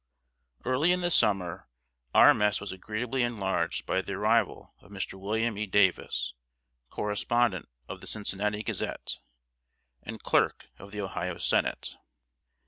] Early in the summer, our mess was agreeably enlarged by the arrival of Mr. William E. Davis, Correspondent of The Cincinnati Gazette and Clerk of the Ohio Senate.